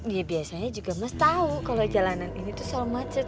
ya biasanya juga mas tahu kalau jalanan ini tuh soal macet